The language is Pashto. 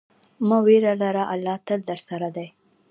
مه ویره لره، الله تل درسره دی.